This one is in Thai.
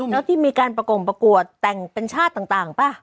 แล้วที่มีการประกงประกวดแต่งเป็นชาติต่างป่ะ